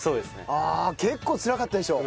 ああ結構つらかったでしょ？